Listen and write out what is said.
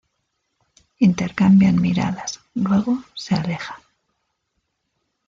Intercambian miradas luego se aleja.